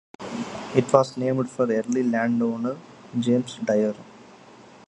It was named for early landowner James Dyer.